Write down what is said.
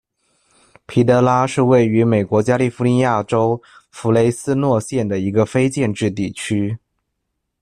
皮德拉是位于美国加利福尼亚州弗雷斯诺县的一个非建制地区。